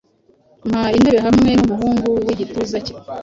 Mpa intebe hamwe numuhungu wigituza cye